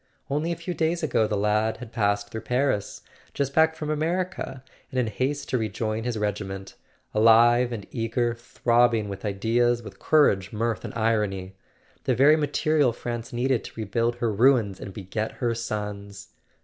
Only a few days ago the lad had passed through Paris, just back from America, and in haste to rejoin his regi¬ ment; alive and eager, throbbing with ideas, with cour¬ age, mirth and irony—the very material France needed to rebuild her ruins and beget her sons!